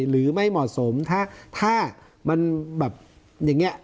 หรือไม่เหมาะสมถ้ามันแบบอย่างนี้